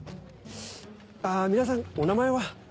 あ皆さんお名前は？